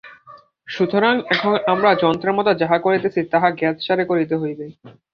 সুতরাং এখন আমরা যন্ত্রের মত যাহা করিতেছি, তাহা জ্ঞাতসারে করিতে হইবে।